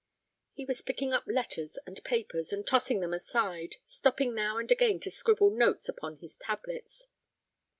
He was picking up letters and papers, and tossing them aside, stopping now and again to scribble notes upon his tablets.